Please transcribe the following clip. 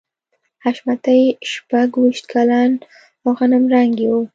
حشمتي شپږویشت کلن او غنم رنګی و